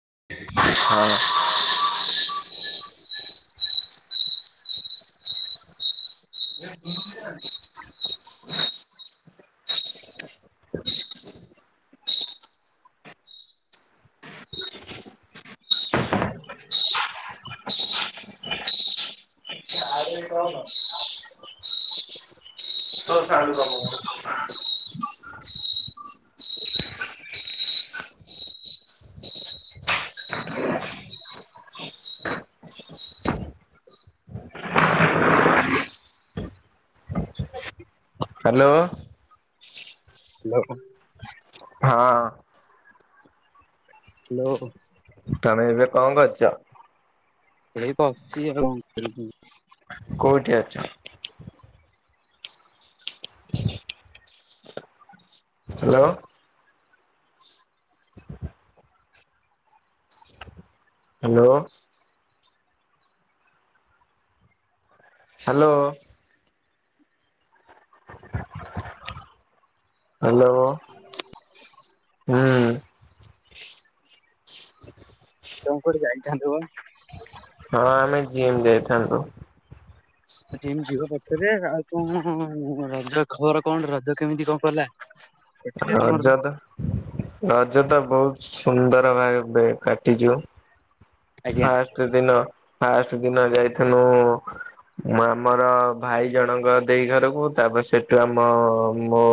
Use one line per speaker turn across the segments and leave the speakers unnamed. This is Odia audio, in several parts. [inaudible]
ହଁ। [inaudible] [unintelligible] [inaudible] [inaudible]
[inaudible]
ହେଲା ତୋସାଉଣ୍ଡୁ କମ୍ କର। [inaudible] [inaudible] [inaudible]
[inaudible]
ହାଲୋ।
ହାଲୋ।
ହଁ।
ହାଲୋ।
ତମେ ଏବେ କଣ କରୁଚ?
ଏଇ ବସିଛି ଆଉ କ
କୋଉଠି ଅଛ? ହ୍ୟାଲୋ। ହ୍ୟାଲୋ। ହ୍ୟାଲୋ। ହ୍ୟାଲୋ।
ହଁ [unintelligible]
ହୁଁ।
ତମେ କୋଆଡ଼େ ଯାଇଥାନ୍ତୁ ଭୋଭଣି
ହଁ ଆମେ ଜିମ୍ ଯାଇଇଥାନ୍ତୁ।
ଜିସ୍ ଯିବ ପଛରେ ଆଉ କଣ ରଜ ଖବର କଣ ରଜ କେମିତି କଣ କଲା।
ରଜ ତ ରଜ ତ ବହୁତ ସୁନ୍ଦର ଭାବେ କାଟିଛୁ।
ଆଜ୍ଞା
ଫାଷ୍ଟ ଦିନ ଫାଷ୍ଟ ଦିନ ଯାଇଥିନୁ। ମୁଁ ଆମର ଭାଇ ଜଣଙ୍କ ଦେଇ ଘରକୁ ତାପରେ ସେଠୁ ଆମ ମୋଁ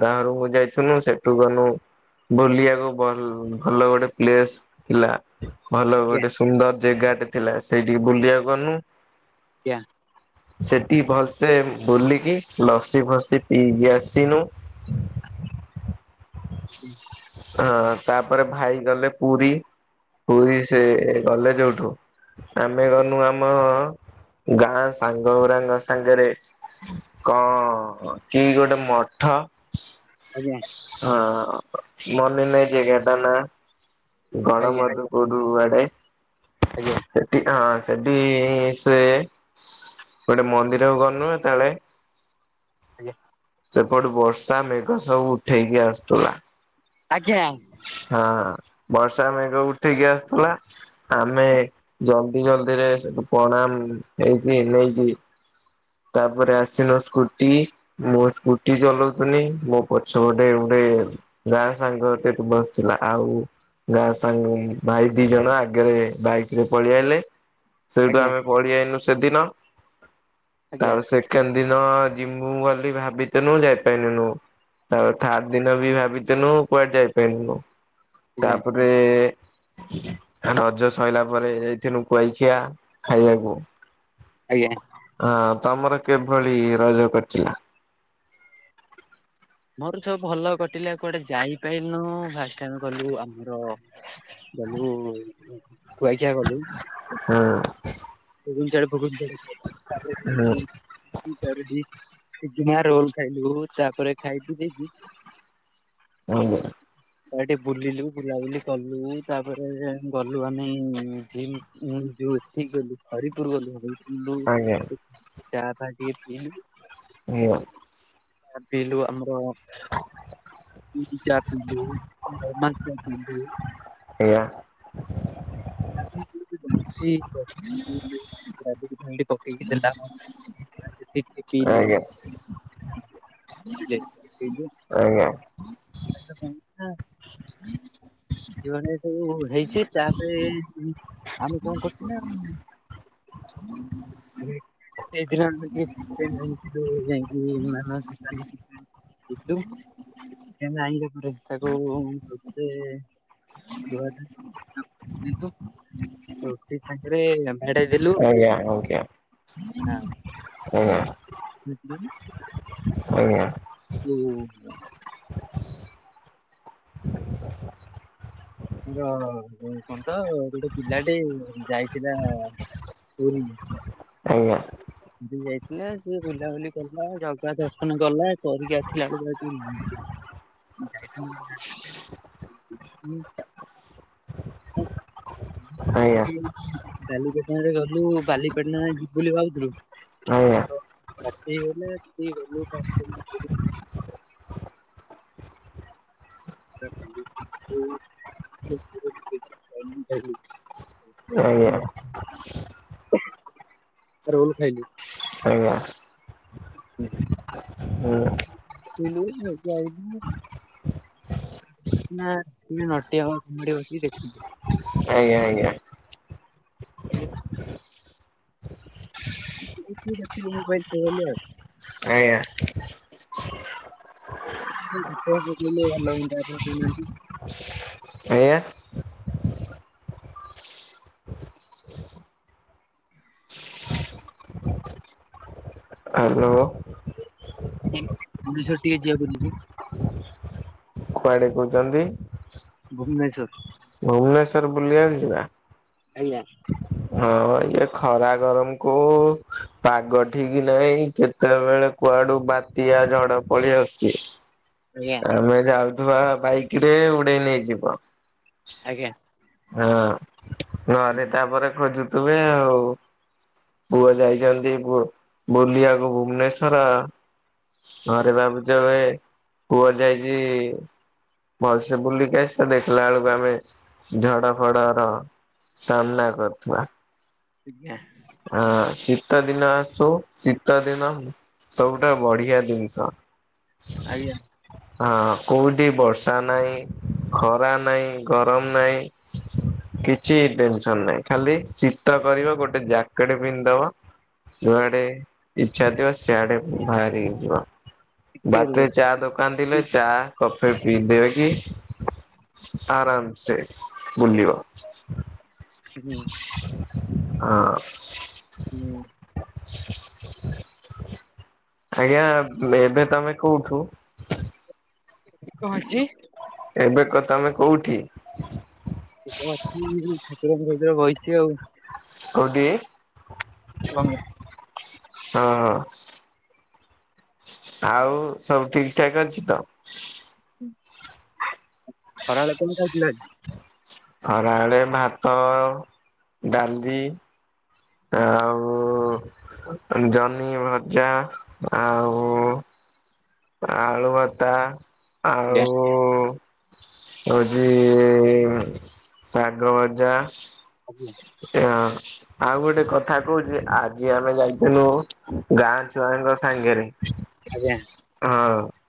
ଗାଁରୁ ମୁ ଯାଇଥିଲିନୁ ସେଠୁ ଗନୁ ବୁଲିବାକୁ ଭଲ ଭଲ ଗୋଟେ ପ୍ଲେସ ଥିଲା। ଭଲ ଗୋଟେ ସୁନ୍ଦର ଜାଗାଟେ ଥିଲା ସେଇଠିକି ବୁଲିବାକୁ ଗଲୁ।
ଆଜ୍ଞା।
ସେଠି ଭଲସେ ବୁଲିକି ଲସି ଫସି ପିଇକି ଆସିନୁ।
ଆ୍ [unintelligible]
ହଁ ତାପରେ ଭାଇ ଗଲେ ପୁରୀ ପୁରୀ ସେ ଗଲେ ଯୋଉଠୁ- ଆମେ ଗନୁ ଆମ ଗାଁ ସାଙ୍ଗ ଉରାଙ୍ଗ ସାଙ୍ଗରେ କଣ କି ଗୋଟେ ମଠ
ଆଜ୍ଞା।
ହଁ ମନେ ନାହିଁ କେଟ ନା କଣ
ଆଜ୍ଞା
ମୁ କୋଉଠୁ ଆଡେ
ଆଜ୍ଞା।
ସେଠି ହଁ ସେଠି ସେ ଗୋଟେ ମନ୍ଦିର ଗନୁ ଯେତାଳେ
ଆଜ୍ଞା।
ସେପଟୁ ବର୍ଷା ମେଘ ସବୁ ଉଠେଇକି ଆସୁଥିଲା।
ଆଜ୍ଞା।
ହଁ ବର୍ଷା ମେଘ ଉଠେକିଆସୁଥିଲା ଆମେ ଆମେ ଜଲ୍ଦି ଜଲଦି ରେ ସେଠୁ ପ୍ରଣାମ ହେଇକି ନେଇକି ତାପରେ ଆସିନ ସ୍କୁଟି ମୋ ସ୍କୁଟି ଚଲାଉଚନି ମୋ ପଛପଟେ ଗୋଟେ ଯା ସାଙ୍ଗ ଟେ ତ ବସି ଥିଲା ଆଉ ଯା ସାଙ୍ଗ ଭାଇ ଦି ଜଣ ଆଗରେ ବାଇକ ରେ ପଳେଇଆଇଲେ ସେଇଠୁ
ଆଜ୍ଞା।
ଆମେ ପଢିଆଇନୁ ସେଦିନ।
ଆଜ୍ଞା
ତାପରେ ସେକେଣ୍ଡ ଦିନ ଯିମୁ ବୋଲି ଭାବି ଥ୍ଵନୁ ଯାଇ ପାଇ ଲୁ ନୁ। ତାପରେ ଥାର୍ଡ ଦିନ ବି ଦ୍ଭାବିଥିନୁ କୁଆଡେ ଯାଇପାରନୁ
ଆଜ୍ଞା
ତାପରେ- ଆ ରଜ ସଇଲା ପରେ ଯାଇିଥିନୁ କୁଆଖିଆ ଖାଇଆକୁ।
ଆଜ୍ଞା।
ହଁ ତମର କିଭଳି ରଜ କଟିଲା।
ମୋର ସବୁ ଭଲ କଟିଲା କୁଆଡେ ଯାଇପାଇଲୁନୁ ଫାଷ୍ଟ ଆମେ କଲୁ ଆମର ଗଲୁ ଖୁଆଖିଆ ଗଲୁ।
ହଁ।
ଟୁବୁଲ୍ ତାର ପକେଇଚି ଦେଢ଼ କିଆରୀ ତାପରେ
ହୁଁ
ଦିଲିକି ଇ ଚାରିଟି ଚିକିଣା ରୋଲ୍ ଖାଇଲୁ ତାପରେ ଖାଇ ପି ଦେଇକି
ଆଜ୍ଞା।
ଏଇଟି ବୁଲିଲୁ ବୁଲାବୁଲି କଲୁ ତାପରେ ଗଲୁ ଆମେ ଜିମ୍ ଉଁ ଯୋଉ ଠିକ୍ କହିଲୁ ହରିପୁର ଗଲୁ ହାରି ପୁଲ
ଆଜ୍ଞା
ଚାହା ଫହା ଟିକେ ପିଇଲୁ।
ନିଅ।
ଆ ପିଇଲୁ ଆମର ଇକି ଚା ପିିଇଲୁ ନର୍ମାଲ ଚା ପିିଇଲୁ।
ସେଇଆ।
[inaudible] ଛି।
[inaudible]
ରାବିଡି଼ ଫାଇଲ୍ ଟେ ପକେଇକି ଦେଲା [inaudible] ପିଇଲୁ।
ଆଜ୍ଞା
[inaudible] ପିଇଲୁ।
ଆଜ୍ଞା।
[unintelligible] ଆ ଜୀବନରେ ସବୁ ହେଇଛି ତା ପାଇଁ ଉଁ ଆମେ କଁ କରୁଚୁ ନାଁ
[inaudible]
ଏଇଥର ଟିକେ [unintelligible] ମାନା ଦୋକାନ [unintelligible] ଉ ଥେଉ ଏନ୍ତି [unintelligible] ତାକୁ ଗୋଟେ ଧୁଆଧୁଇ [inaudible] ଯିବ ରୋଟି ସାଙ୍ଗରେ ଆମ ଆଡ଼େ
ଆଜ୍ଞା ଆଜ୍ଞା।
ହଁ।
ହଁ।
ବେ ଫେରି।
ଆଜ୍ଞା।
ଉ ମୋର ଯୋଉ କଁ ତ ଗୋଟେ ପିଲାଟେ ଯାଇଥିଲା ପୁରୀ।
ଆଜ୍ଞା।
ଦି ଯାଇଥିଲା ସିଏ ବୁଲାବୁଲି କରୁଥୁଲା ଜଗା ଦର୍ଶନ କଲା କରିକି ଆସିଲା ଆଳୁକୁ ହେଠି [unintelligible] ମୁଁ ଯାଇଥିଲି ଗୋଟେ ଜାକୁ। [unintelligible] ବାଲିପେଟଣାରେ ଗଲୁ ବାଲିପେଟଣା ଯାଏଁ ଯିବୁ ବୋଲି ଭାବୁଥୁଲୁ।
ହଁ।
ରାତି ହେଇଗଲେ ସେଠି [unintelligible] [unintelligible]
ଆଜ୍ଞା
ରୋଲ୍ ଖାଇଲୁ।
ଆଜ୍ଞା।
ଆ ହୁଁ।
ହଁ।
ଏ ଆଉ ରଜ ଆଇଥମୁ। ନାଁ ଏଇନେ ନଟିଆ କମେଡି଼ ସୋମୁ ହରିଆ ବସି ଦେଖୁଛୁ।
ଆଜ୍ଞା ଆଜ୍ଞା।
ଏ ମୁଁ ତୁ କଥା ହୁଏ ଦେଖିଚୁ ମୋବାଇଲ୍ କଲ୍ ରେ?
ଆଜ୍ଞା।
[unintelligible] ଆପଣ କହୁନାହାନ୍ତି?
ଆଜ୍ଞା। ହାଲୋ।
ତମେ, ଭୁବନେଶ୍ୱର ଟିକେ ଯିିବା ବୁଲି କି?
କୁଆଡେ କଉଚନ୍ତି?
ଭୁବନେଶ୍ୱର।
ଭୁବନେଶ୍ଵର ବୁଲିବାକୁ ଯିବା।
ଆଜ୍ଞା।
ହଁ, ଇଏ ଖରା ଗରମକୁ ପାଗ ଠିକ୍ ନାହିଁ, କେତେବେଳେ କୁଆଡୁ ବାତ୍ୟା ଝଡ ପଳେଇ ଆସୁଛି।
[inaudible]
ଆମେ ଯାଉଥିବା ବାଇକରେ, ଉଡେଇ ନେଇଯିବ।
ଆଜ୍ଞା।
ହଁ, ଘରେ ତାପରେ ଖୋଜୁଥିବେ ଆଉ। ପୁଅ ଯାଇଚନ୍ତି ବୁଲିଆକୁ ଭୁବନେଶ୍ଵର। ଘରେ ଭାବୁଥିବେ ପୁଅ ଯାଇଚି, ଭଲସେ ବୁଲିକି ଆସି ସେ ଦେଖିଲା ବେଳକୁ ଆମେ, ଝଡ ଫଡର ସାମ୍ନା କରୁଥିବା।
ଆଜ୍ଞା।
ହଁ, ଶୀତ ଦିନ ଆସୁ, ଶୀତ ଦିନ ସବୁଟା ବଢିଆ ଜିନିଷ।
ଆଜ୍ଞା।
ହଁ, କୋଉଠି ବର୍ଷା ନାହିଁ, ଖରା ନାହିଁ, ଗରମ ନାହିଁ। କିଛି ଟେନସନ ନାହିଁ, ଖାଲି ଶୀତ କରିବ, ଗୋଟେ ଜ୍ୟାକେଟ ପିନ୍ଧିଦବ ଯୁଆଡେ ଇଛା ଥିବ, ସିଆଡେ ବାହାରିକି ଯିବ।
ଟିକେ ରୁହ
ବାଟରେ ଚା ଦୋକାନ ଥିଲେ
ଟିକେ
ଚା କପେ ପିଇ ଦେଇକି, ଆରାମସେ ବୁଲିବ।
[unintelligible]
ହଁ।
ହୁଁ।
ଆଜ୍ଞା, ଏବେ ତମେ କୋଉଠୁ?
କଣ ହେଇଚି?
ଏବେ କ ତମେ କୋଉଠି?
[unintelligible] ଆଉ।
କୋଉଠି?
[unintelligible]
ହଁ ହଁ। ଆଉ ସବୁ ଠିକଠାକ୍ ଅଛି ତ?
ହୁଁ। ଖରାବେଳେ କଣ ଖାଇଥିଲ ଆଜି?
ଖରାବେଳେ ଭାତ, ଡାଲି
ହୁଁ,
ଆଉ ଜହ୍ନି ଭଜା, ଆଉ ଆଳୁ ଭର୍ତା, ଆଉ ହଉଚି ଇ ଇ ଶାଗ ଭଜା।
ଆଜ୍ଞା।
[unintelligible] ଆଉ ଗୋଟେ କଥା କହୁଚି ଆଜି ଆମେ ଯାଇଥିଲୁ ଗାଁ ଛୁଆଙ୍କ ସାଙ୍ଗେରେ
ଆଜ୍ଞା।
ହଁ।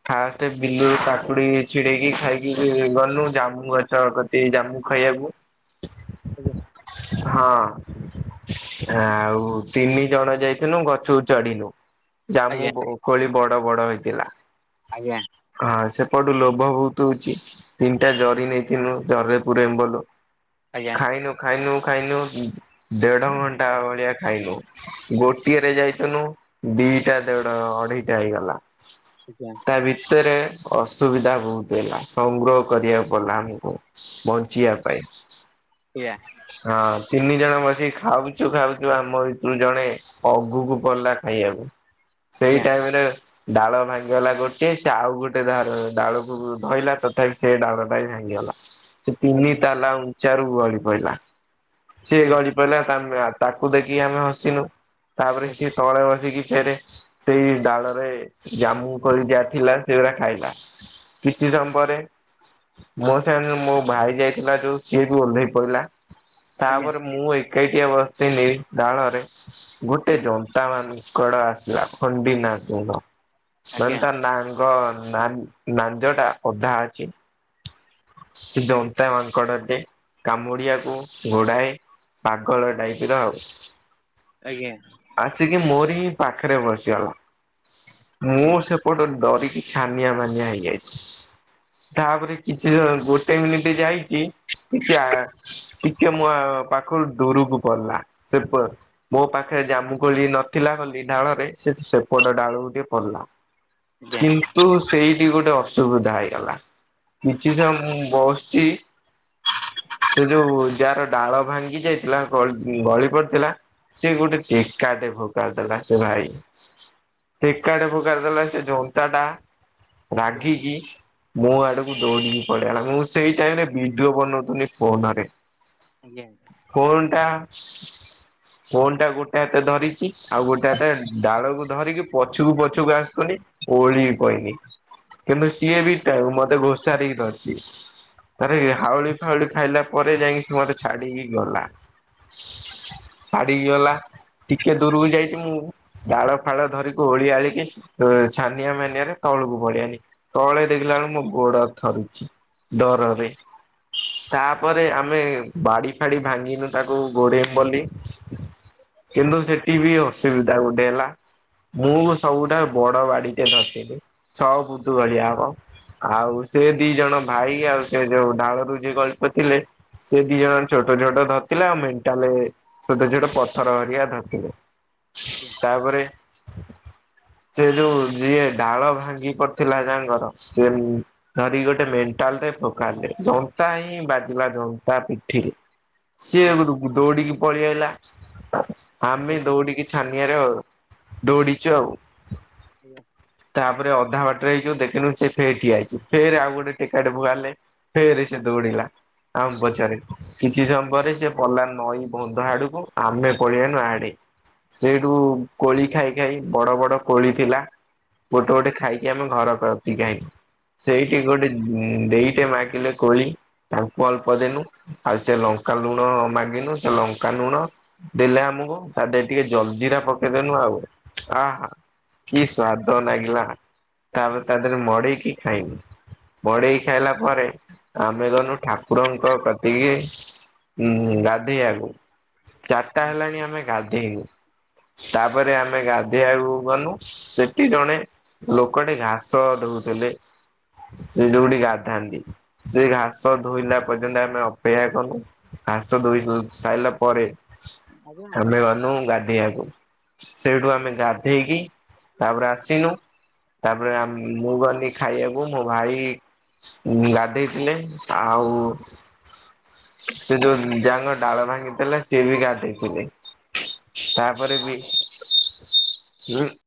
ଫାଷ୍ଟ ବିଲରୁ କାକୁଡି ଛିଡେଇକି ଖାଇକି ଗଲୁ। ଜାମୁ ଗଛ ସେଇ ଜାମୁ ଖାଇବାକୁ।
[unintelligible]
ହଁ। ଆଉ ତିନି ଜଣ ଯାଇଥିଲୁ ଗଛକୁ ଚଢିଲୁ। ଜାମୁ
ଆଜ୍ଞା
କୋଳି ବଡ ବଡ ହେଇଥିଲା।
ଆଜ୍ଞା।
ହଁ। ସେପଟୁ ଲୋଭ ବହୁତୁ ହଉଚି। ତିନିଟା ଜରି ନେଇଥିନୁ, ଜରିରେ ପୁରେଇମୁ ବୋଲି
ଆଜ୍ଞା
ଖାଇନୁ। ଖାଇନୁ ଖାଇନୁ ଦେଢ ଘଣ୍ଟା ଭଳିଆ ଖାଇନୁ। ଗୋଟିଏରେ ଯାଇଥିନୁ ଦିଟା ଦେଢ଼ ଅଢେଇଟା ହେଇଗଲା।
ଆଜ୍ଞା।
[unintelligible] ରେ ଅସୁବିଧା ବହୁତ ହେଲା ସଂଗ୍ରହ କରିବାକୁ ପଡିଲା ଆମକୁ। ବନ୍ ବଞ୍ଚିଆ ପାଇଁ।
ୟା।
ହଁ ତିନି ଜଣ ବସିକି ଖାଉଚୁ ଖାଉଚୁ ଆମ ଭିତରୁ ଜଣେ ଅଗୁକୁ ପଳେଇଲା ଖାଇବାକୁ। ସେଇ
ଆଜ୍ଞା ଆଜ୍ଞା ଆଜ୍ଞା
ଟାଇମ୍ ରେ ଡାଳ ଭାଙ୍ଗିଗଲା ଗୋଟେ। ସେ ଆଉ ଗୋଟେ ଧାର ଡାଳକୁ ଧଇଲା ତଥାପି ସେ ଡାଳ ଟା ବି ଭାଙ୍ଗିଗଲା। ସେ ତିନି
ଆଜ୍ଞା
ତାଲା ଉଞ୍ଚାରୁ ଗଡି ପଇଲା। ସିଏ ଗଳି ପଇଲା ତାକୁ ଦେଖିକି ଆମେ ହସିନୁ। ତାପରେ ସିଏ ତଳେ ବସିକି ଫେରେ ସେଇ ଡାଳରେ ଜାମୁ କୋଳି ଯାହା ଥିଲା ସେଗୁରା ଖାଇଲା। କିଛି ସମୟ ପରେ ମୋ ସାଙ୍ଗରେ ମୋ ଭାଇ ଯାଇଥିଲା ଯୋଉ ସିଏ ବି ଓଲ୍ହେଇ ପଇଲା।
ଆଜ୍ଞା ଆଜ୍ଞା ଆଜ୍ଞା ଆଜ୍ଞା ଆଜ୍ଞା ଆଜ୍ଞା ଆଜ୍ଞା ଆଜ୍ଞା
ତାପରେ ମୁଁ ଏକାଟିଆ ବସଥିନି ଡାଳରେ। ଗୋଟେ ଜନ୍ତା ମାଙ୍କଡ ଆସିଲା ଖଣ୍ଡି ନାଙ୍ଗୁଡ଼। ମାନେ ତା ନା ଙ୍କ ନାନ୍ ନାଞ୍ଜ ଟା ଅଧା ଅଛି। ସେ ଜନ୍ତା ମାଙ୍କଡ଼ ଟେ। କାମୁଡିବାକୁ ଗୋଡ଼ାଏ ପାଗଳ ଟାଇପ ର ଆଉ।
ଆଜ୍ଞା।
ଆସିକି ମୋରି ହିଁ ପାଖରେ ବସିଗଲା। ମୁଁ ସେ ପଟ ଡରିକି ଛାନିଆ ମାନିଆ ହେଇଯାଇଚି। ତାପରେ କିଛି ଗୋଟେ ମିନିଟି ଯାଇଚି ସି ଆ ଟିକେ ମୋ ଆ ପାଖରୁ ଦୁରୁକୁ ପଳେଇଲା। ସେପ ମୋ ପାଖରେ ଜାମୁକୋଳି ନଥିଲା ବୋଲି ଡାଳରେ ସେପଟ ଡାଳୁକୁ ଟିକେ ପଳେଇଲା। କିନ୍ତୁ ସେଇଠି ଗୋଟେ ଅସୁବିଧା ହେଇଗଲା। କିଛି ସମୟ ମୁଁ ବସଚି, ସେ ଯୋଉ ଯାର ଡାଳ ଭାଙ୍ଗି ଯାଇଥିଲା ଗଳି ଗଳି ପଡିଥିଲା ସେ ଗୋଟେ ଟେକା ଟେ ଫୋପାଡ଼ି ଦେଲା ସେ ଭାଇ। ଟେକା ଟେ ଫୋପାଡ଼ି ଦେଲା ସେ ଜନ୍ତା ଟା ରାଗିିକି ମୋ ଆଡ ମୁଁ ଦୋଉଡିକି ପଳେଆଲା ମୁଁ ସେଇ ଟାଇମରେ ଭିଡୁଓ ବନଉଥୁଲି ଫୋନରେ।
ଆଜ୍ଞା ଆଜ୍ଞା।
ଫୋନଟା ଫୋନଟା ଗୋଟେ ହାତେରେ ଧରିଚି ଆଉ ଗୋଟେ ହାତେରେ ଉଁ ଡାଳକୁ ଧରିକି ପଛୁକୁ ପଛୁକୁ ଆସୁଥୁନି ଓହଳିକି ପଇନି। କିନ୍ତୁ ସିଏ ବି ଟା ଉଁ ମତେ ଘୋଷାରିକି ଧରିଚି ତାପରେ ଇଏ ହାଉଳି ହାଉଳି ଖାଇଲା ପରେ ଯାଇଁକି ସିଏ ମୋତେ ଛାଡିକି ଗଲା। ଛାଡିକି ଗଲା ଟିକେ ଦୂରୁକୁ ଯାଇଚି ମୁଁ ଡାଳ ଫାଳ ଧରିକି ଓହଳି ଆହାଳିକି ଉଁ-ଛାନିଆ ମାନିଆରେ ତଳୁକୁ ପଳିଆଇଲି। ତଳେ ଦେଖିଲା ବେଳୁକୁ ମୋ ଗୋଡ ଥରୁଚି ଡରରେ। ତାପରେ ଆମେ ବାଡି ଫାଡି ଭାଙ୍ଗିନୁ ତାକୁ ଗୋଡେଇମୁ ବୋଲି। କିନ୍ତୁ ସେଠି ବି ଅସୁବିଧା ଗୋଟେ ଲା ମୁଁ ସବୁଠାରୁ ବଡ ବାଡିଟେ ଧରଥିଲି ଛଅ ଫୁଟୁ ଭଳିଆ ହବ। ଆଉ ସେ ଦି ଜଣ ଭାଇ ଆଉ ସେ ଯୋଉ ଡାଳରୁ ଯିଏ ଗଳି ପଡିଥିଲେ ସେ ଦି ଜଣ ଛୋଟ ଛୋଟ ଧରଥିଲେ ଆଉ ମେଣ୍ଟାଲେ ଛୋଟ ଛୋଟ ପଥର ଘରିକା ଧରିଥିଲେ ତାପରେ ସେ ଯୋଉ ଯିଏ ଡାଳ ଭାଙ୍ଗି ପଡିଥିଲା ଯାହାଙ୍କର ସିଏ ଉଁ ଧଟିକି ଗୋଟେ ମେଣ୍ଟାଲଟେ ଫୋପାଡିଲେ ଜନ୍ତା ହିଁ ବାଜିଲା ଜନ୍ତା ପିଠିରେ। ସିଏ [unintelligible] ଦୋଉଡିକି ପଳିଆଇଲା। ଆମେ ଦୌଡିକି ଛାନିଆରେ ଆଉ ଦୌଡିଚୁ ଆଉ।
[unintelligible]
ତାପରେ ଅଧା ବାଟେରେ ଏଇ ଯୋଉ ଦେଖିନୁ ସେ ଫେର୍ ଠିଆ ହେଇଚି ଫେରେ ଆଉ ଗୋଟେ ଟେକାଟେ ଫୋଆଲେ। ଫେରେ ସିଏ ଦୋଉଡିଲା ଆମ ପଛରେ। କିଛି ସମୟ ପରେ ସିଏ ପଳଲା ନଈ ବନ୍ଧ ଆଡୁକୁ ଆମେ ପଳେଇ ଆଇନୁ ଆଡେ। ସେଇଠୁ କୋଳି ଖାଇ ଖାଇ ବଡ ବଡ କୋଳି ଥିଲା। ଗୋଟେ ଗୋଟେ ଖାଇକି ଆମେ ଘର କତିକି ଆଇନୁ। ସେଇଠି ଗୋଟେ ଉଁ ଦେଇଟେ ମାଗିଲେ କୋଳି ତାଙ୍କୁ ଅଳ୍ପ ଦେନୁ। ଆଉ ସେ ଲଙ୍କା ଲୁଣ ମାଗିନୁ ସେ ଲଙ୍କା ନୁଣ ଦେଲେ ଆମୁକୁ ତାଦେହେ ଟିକେ ଜଲଜିିରା ପକେଇଦେନୁ ଆଉ ଆହା। କି ସ୍ଵାଦ ଲାଗିଲା ତାପରେ ତାରି ଧିଏରେ ଉଁ ମଡେଇକି ଖାଇନୁ ମଡେଇକି
ଆଜ୍ଞା
ଖାଇଲା ପରେ ଆମେ ଗନୁ ଠାକୁରଙ୍କର କତିକି। ଉଁ ଗାଧେଇଆକୁ ଚାରଟା ହେଲାଣି ଆମେ ଗାଧେଇନୁ ତାପରେ ଆମ୍ ମେ ଗାଧୋଇଆକୁ ଗନୁ ସେଠି ଜଣେ ଲୋକଟେ ଘାସ ଧୋଉଥେଲେ। ସେ ଯୋଉଠି ଗାଧାନ୍ତି। ସେ ଘାସ ଧୋଇଲା ପର୍ଯ୍ୟନ୍ତ ଆମେ ଅପେକ୍ଷା କନୁ। ଘାସ ଧୋଇ [unintelligible] ସାଇଲା ପରେ
ଆଜ୍ଞା ଆଜ୍ଞା
ଆମେ ଗନୁ ଗାଧେଇଆକୁ ସେଇଠୁ ଆମେ ଗାଧେଇକି ତାପରେ ଆସିନୁ ତାପରେ ଆମ୍ ମୁଁ ଗନି ଖାଇଆକୁ ମୋ ଭାଇ ଉଁ ଗାଧେଇଥିଲେ ଆଉ ସେ ଯୋଉଁ ଯୋଉଦିନ ଡାଳ ଭାଙ୍ଗିଥେଲେ ସେ ବି ଗାଧେଇଥିଲେ ତାପରେ ବି [inaudible]